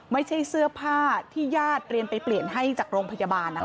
ไม่ใช่เสื้อผ้าที่ญาติเรียนไปเปลี่ยนให้จากโรงพยาบาลนะคะ